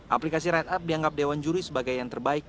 aplikasi rideup dianggap dewan juri sebagai yang terbaik